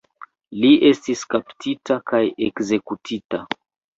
Li estis kaptita kaj ekzekutita.